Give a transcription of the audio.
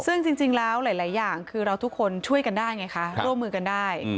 ซึ่งจริงแล้วหลายอย่างคือเราทุกคนช่วยกันได้ไงคะร่วมมือกันได้